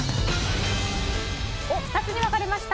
２つに分かれました。